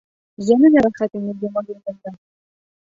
Йәненә рәхәт ине Йомаҙилдың да.